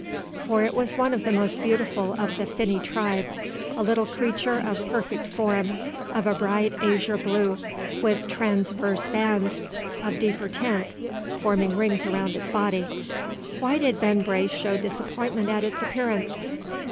for it was one of the most beautiful of the finny tribe. A little creature of perfect form, of a bright azure blue, with transverse bands of deeper tint, forming rings around its body. Why did Ben Brace show disappointment at its appearance?